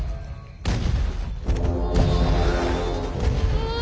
うわ！